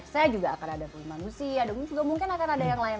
saya juga akan ada manusia juga mungkin akan ada yang lain